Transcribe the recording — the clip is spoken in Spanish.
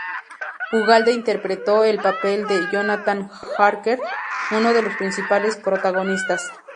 Ugalde interpretó el papel de Jonathan Harker, uno de los principales protagonistas.